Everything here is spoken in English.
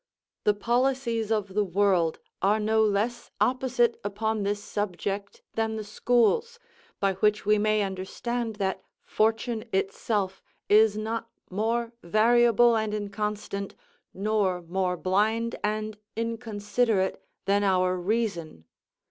The policies of the world are no less opposite upon this subject than the schools, by which we may understand that fortune itself is not more variable and inconstant, nor more blind and inconsiderate, than our reason.